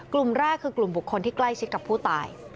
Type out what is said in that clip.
กลุ่มแรกคือกลุ่มบุคคลที่ใกล้ชิดกับผู้ตาย